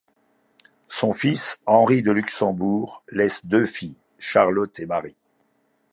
Son fils, Henri de Luxembourg laisse deux filles, Charlotte et Marie.